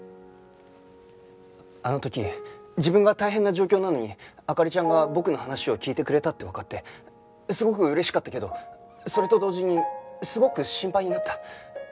あの時自分が大変な状況なのに灯ちゃんが僕の話を聞いてくれたってわかってすごく嬉しかったけどそれと同時にすごく心配になった。